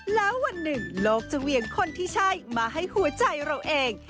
แล้ววันหนึ่งโลกจะเหวี่ยงคนที่ใช่มาให้หัวใจเราเอง